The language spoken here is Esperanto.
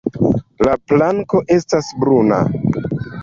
La planko estas bruna.